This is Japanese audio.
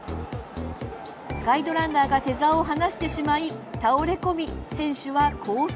ガイドランナーがテザーを離してしまい倒れ込み選手はコース